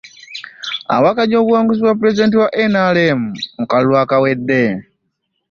Awakanya obuwanguzi bwa Pulezidenti owa NRM mu kalulu akawedde.